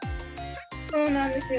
そうなんですよ。